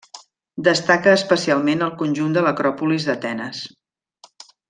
Destaca especialment el conjunt de l'Acròpolis d'Atenes.